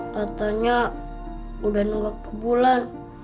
kartunya udah nunggu kebulan